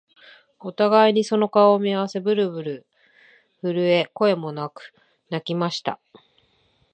お互いにその顔を見合わせ、ぶるぶる震え、声もなく泣きました